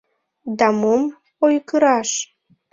Да мом ойгыраш!